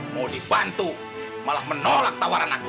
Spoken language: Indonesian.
mau dibantu malah menolak tawaran aku